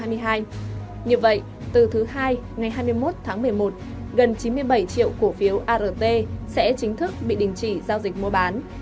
như vậy từ thứ hai ngày hai mươi một tháng một mươi một gần chín mươi bảy triệu cổ phiếu art sẽ chính thức bị đình chỉ giao dịch mua bán